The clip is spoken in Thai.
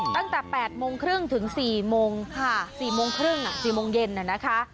ตั้งแต่๘โมงครึ่งถึง๔โมง๔โมงครึ่ง๔โมงเย็นนะคะ